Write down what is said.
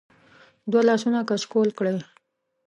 د وه لاسونه کچکول کړی